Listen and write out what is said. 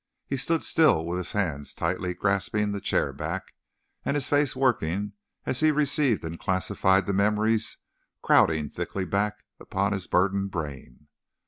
He stood still, with his hands tightly grasping the chair back, and his face working as he received and classified the memories crowding thickly back upon his burdened brain.